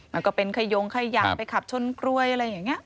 มันก็เป็นขยงขยะไปขับชนกรวยอะไรอย่างนี้